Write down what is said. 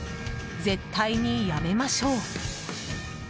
絶対にやめましょう。